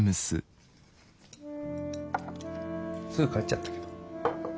すぐ帰っちゃったけど。